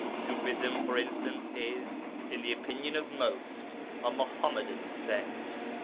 Ṣufism, for instance, is, in the opinion of most, 'a Muḥammadan sect.'